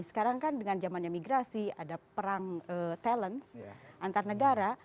sekarang kan dengan zamannya migrasi ada perang talent antar negara